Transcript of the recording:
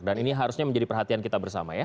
dan ini harusnya menjadi perhatian kita bersama ya